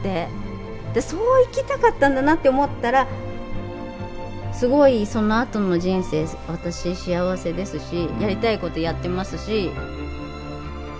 そう生きたかったんだなって思ったらすごいそのあとの人生私幸せですしやりたいことやってますし。